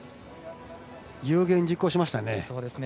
有言実行しましたね。